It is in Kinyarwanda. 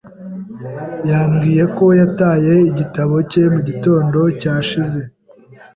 Yambwiye ko yataye igitabo cye mu gitondo cyashize.